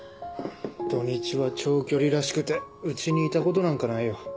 土日は長距離らしくて家にいた事なんかないよ。